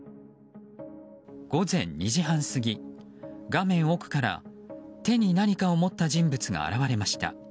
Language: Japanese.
午前２時半過ぎ、画面奥から手に何かを持った人物が現れました。